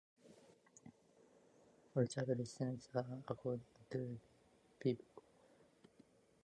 All chart listings are according to "Billboard"